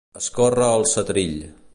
Escórrer el setrill.